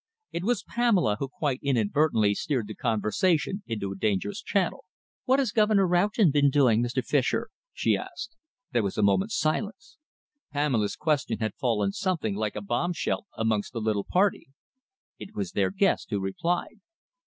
It was Pamela who quite inadvertently steered the conversation into a dangerous channel. "What has Governor Roughton been doing, Mr. Fischer?" she asked. There was a moment's silence. Pamela's question had fallen something like a bombshell amongst the little party. It was their guest who replied.